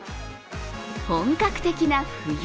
本格的な冬。